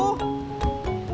apa ya suami